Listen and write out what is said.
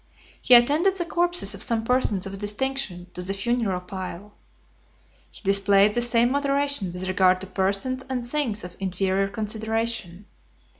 He attended the corpses of some persons of distinction to the funeral pile. He displayed the same moderation with regard to persons and things of inferior consideration.